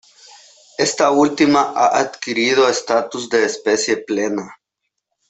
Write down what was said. Esta última ha adquirido status de especie plena.